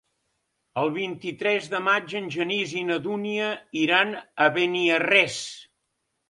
El vint-i-tres de maig en Genís i na Dúnia iran a Beniarrés.